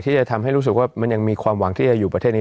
ที่จะทำให้รู้สึกว่ามันยังมีความหวังที่จะอยู่ประเทศนี้